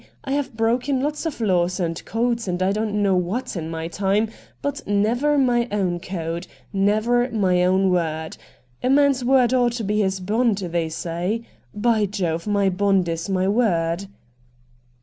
I have broken lots of laws and codes and I don't know what in my time, but never my own code — never my own word. A man's word ought to be his bond, they say. By Jove ! my bond is my word.'